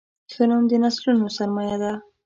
ښه نوم د نسلونو سرمایه ده.